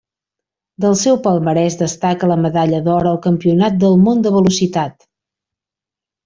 Del seu palmarès destaca la medalla d'or al Campionat del món de velocitat.